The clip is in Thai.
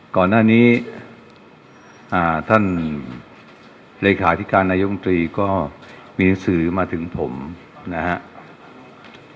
ก่อนหน้านี้ท่านเลขาอธิการนายกรมนาธิการก็มีหนังสือมาถึงผมนะครับ